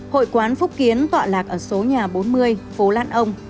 hội quán phúc kiến tọa lạc ở số nhà bốn mươi phố lan ông